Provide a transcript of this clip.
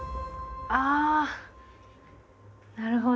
あなるほど。